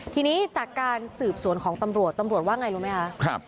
ทีนี้จากการสืบสวนของตำรวจตำรวจว่าไงรู้ไหมคะ